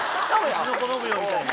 「うちの子飲むよ」みたいな。